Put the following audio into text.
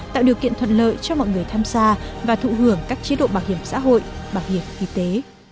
tạo điều kiện thuận lợi cho mọi người tham gia và thụ hưởng các chế độ bảo hiểm xã hội bảo hiểm y tế